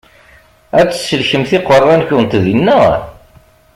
Ad tsellkemt iqeṛṛa-nkent dinna?